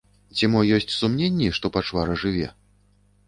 Ці мо ёсць сумненні, што пачвара жыве?